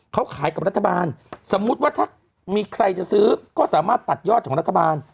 เขาขายกับรัฐบาลสมมุติว่าถ้ามีใครจะซื้อก็สามารถตัดยอดของรัฐบาล